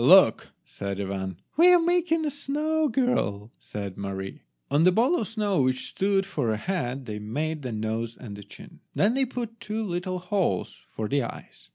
"Look," said Ivan. "We are making a snow girl," said Mary. On the ball of snow which stood for a head they made the nose and the chin. Then they put two little holes for the eyes.